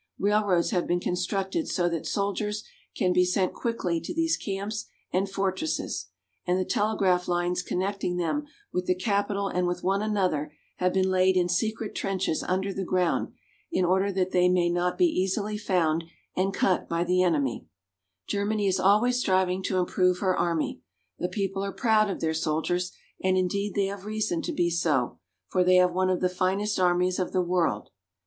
Railroads have been constructed so that soldiers can be sent quickly to these camps and fortresses ; and the telegraph lines connecting them with the capital and with one another have been laid in secret trenches under the ground, in order that they may not be easily found and cut by the enemy. K)1 GERMANY. Germany is always striving to improve her army. The people are proud of their soldiers, and indeed they have reason to be so, for they have one of the finest armies of the world.